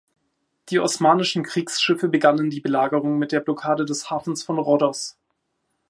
Die osmanischen Kriegsschiffe begannen die Belagerung mit der Blockade des Hafens von Rhodos.